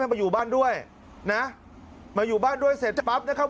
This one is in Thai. มาอยู่บ้านด้วยนะมาอยู่บ้านด้วยเสร็จจะปั๊บนะครับ